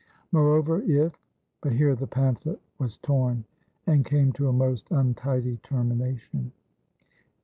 "Moreover: if " But here the pamphlet was torn, and came to a most untidy termination.